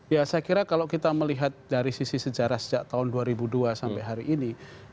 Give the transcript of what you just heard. ya saya kira kalau kita melihat dari sisi sejarah sejak tahun dua ribu dua sampai hari ini